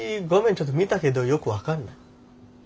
ちょっと見たけどよく分かんない。